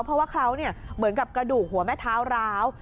เพราะว่าเขาเหมือนกับกระดูกหัวแม่เท้าร้าว